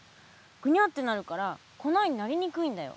ぐにゃってなるから粉になりにくいんだよ。